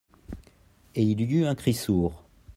Et il y eut un cri sourd.